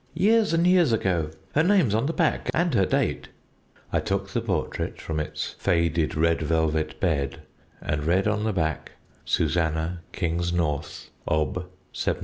"'Years and years ago! Her name's on the back and her date ' "I took the portrait from its faded red velvet bed, and read on the back 'SUSANNAH KINGSNORTH, _Ob.